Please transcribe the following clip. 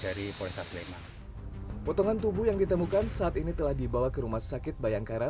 dari polresta sleman potongan tubuh yang ditemukan saat ini telah dibawa ke rumah sakit bayangkara